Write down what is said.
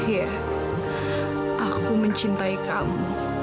ya aku mencintai kamu